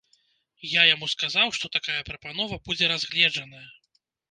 Я яму сказаў, што такая прапанова будзе разгледжаная!